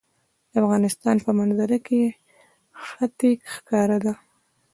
د افغانستان په منظره کې ښتې ښکاره ده.